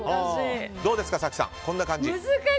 どうですか、早紀さんこんな感じ。